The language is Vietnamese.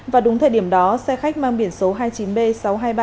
và đúng thời điểm đó xe khách mang biển số hai mươi chín b